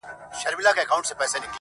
له ذاته زرغونېږي لطافت د باران یو دی،